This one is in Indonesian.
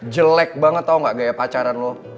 jelek banget tau gak gaya pacaran lo